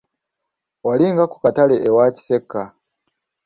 Wali nga ku katale k'ewa Kisekka.